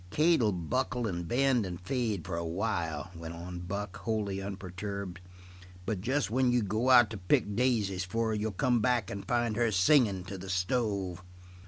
"Kate will buckle and bend and fade for a while," went on Buck, wholly unperturbed, "but just when you go out to pick daisies for her you'll come back and find her singing to the stove.